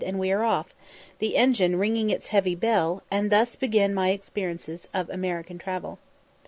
and we are off, the engine ringing its heavy bell, and thus begin my experiences of American travel.